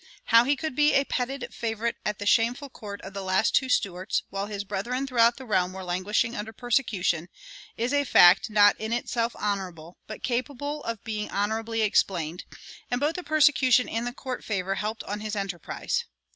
How he could be a petted favorite at the shameful court of the last two Stuarts, while his brethren throughout the realm were languishing under persecution, is a fact not in itself honorable, but capable of being honorably explained; and both the persecution and the court favor helped on his enterprise.